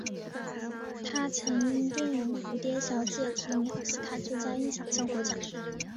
他曾因电影蝴蝶小姐提名奥斯卡最佳音响效果奖。